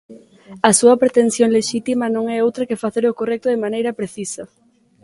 A súa pretensión lexítima non é outra que facer o correcto de maneira precisa.